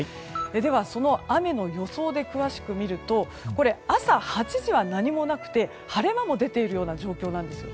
では雨の予想で詳しく見ると朝８時は何もなくて、晴れ間も出ているような状況なんです。